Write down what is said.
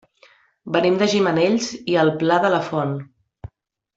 Venim de Gimenells i el Pla de la Font.